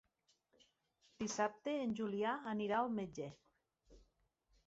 Dissabte en Julià anirà al metge.